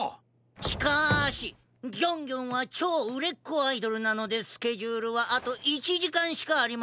しかしギョンギョンはちょううれっこアイドルなのでスケジュールはあと１じかんしかありませんな。